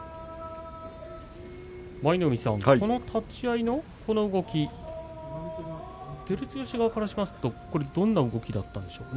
舞の海さん、この立ち合いこの動き照強側からしますとどんな動きだったでしょうか。